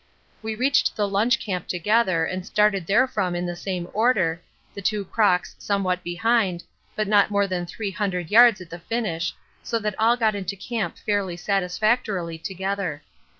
We reached the lunch camp together and started therefrom in the same order, the two crocks somewhat behind, but not more than 300 yards at the finish, so we all got into camp very satisfactorily together.